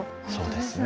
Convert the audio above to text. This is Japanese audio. そうですね。